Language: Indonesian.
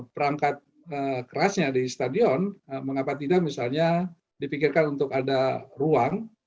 perangkat kerasnya di stadion mengapa tidak misalnya dipikirkan untuk ada ruang